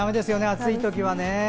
暑いときはね。